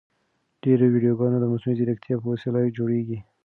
ډېرې ویډیوګانې د مصنوعي ځیرکتیا په وسیله جوړیږي.